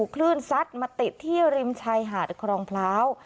คลื่นซัดมาติดที่ริมชายหาดครองพร้าว